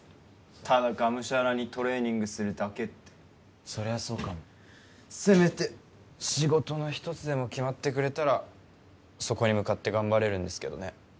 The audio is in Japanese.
ただがむしゃらにトレーニングするだけってそれはそうかもせめて仕事の１つでも決まってくれたらそこに向かって頑張れるんですけどね・